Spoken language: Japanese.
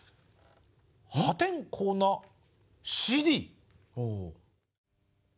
「破天荒なＣＤ」。